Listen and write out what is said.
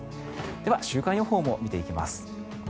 では週間予報も見ていきます。